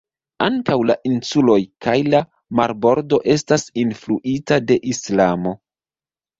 Ankaŭ la insuloj kaj la marbordo estas influita de Islamo.